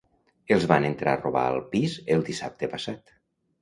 Els van entrar a robar al pis el dissabte passat